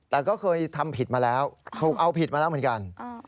แต่ก็เคยทำผิดมาแล้วถูกเอาผิดมาแล้วเหมือนกัน